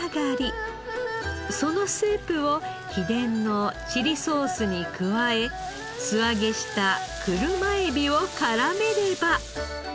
そのスープを秘伝のチリソースに加え素揚げした車エビを絡めれば。